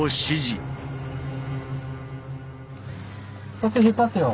そっち引っ張ってよ。